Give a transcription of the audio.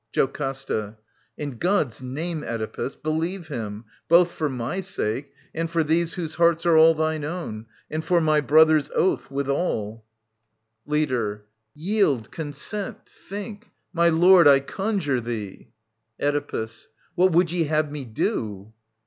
JoCASTA. In God's name, Oedipus, believe him, both For my sake, and for these whose hearts are aH Thine own, and for my brother's oath withal. 37 I SOPHOCLES TT. 64^ 664 Leader. [Strophe. Yield J consent ; think! My Lord, I conjure thee! Oedipus. What would ye have me do